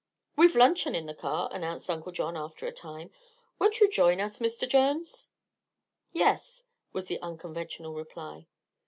"We've luncheon in the car," announced Uncle John, after a time. "Won't you join us, Mr. Jones?" "Yes," was the unconventional reply.